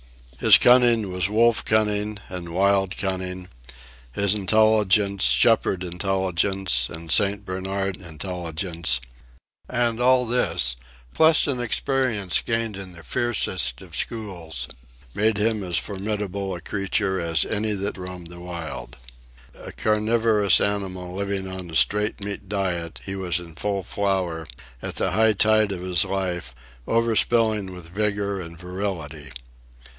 His cunning was wolf cunning, and wild cunning; his intelligence, shepherd intelligence and St. Bernard intelligence; and all this, plus an experience gained in the fiercest of schools, made him as formidable a creature as any that roamed the wild. A carnivorous animal living on a straight meat diet, he was in full flower, at the high tide of his life, overspilling with vigor and virility.